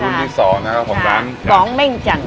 รุ่นที่๒นะครับผมร้านกองแม่งจันทร์